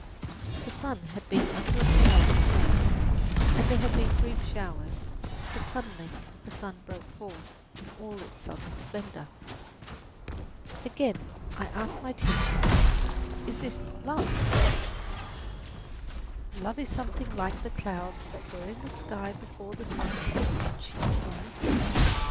The sun had been under a cloud all day, and there had been brief showers; but suddenly the sun broke forth in all its southern splendour. Again I asked my teacher, "Is this not love?" "Love is something like the clouds that were in the sky before the sun came out," she replied.